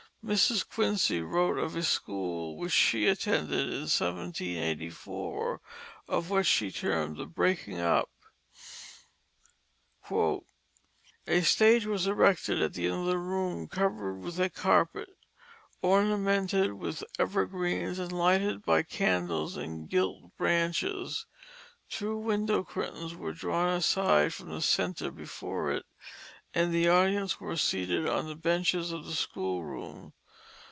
Mrs. Quincy wrote of a school which she attended in 1784, of what she termed "the breaking up": "A stage was erected at the end of the room, covered with a carpet, ornamented with evergreens and lighted by candles in gilt branches. Two window curtains were drawn aside from the centre before it and the audience were seated on the benches of the schoolroom.